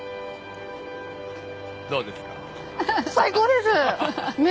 どうですか？